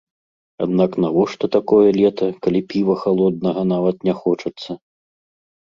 Аднак навошта такое лета, калі піва халоднага нават не хочацца?